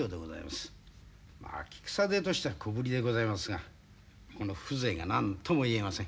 まあ秋草手としては小ぶりでございますがこの風情が何とも言えません。